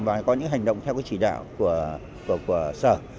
và có những hành động theo cái chỉ đạo của sở